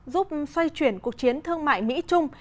giúp xoay chuyển cuộc chiến thương mại mỹ trung